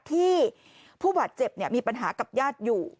ที่ผู้บาดเจ็บเนี่ยมีปัญหากับญาติอยู่